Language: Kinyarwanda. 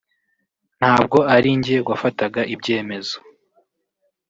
ntabwo ari njye wafataga ibyemezo